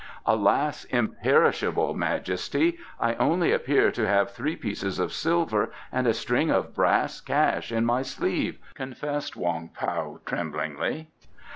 "Alas, Imperishable Majesty, I only appear to have three pieces of silver and a string of brass cash in my sleeve," confessed Wong Pao tremblingly.